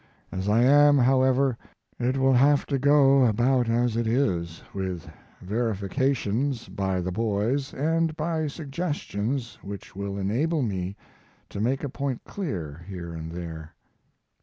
As I am, however, it will have to go about as it is, with verifications by the boys and by suggestions which will enable me to make a point clear here and there.